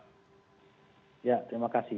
ya terima kasih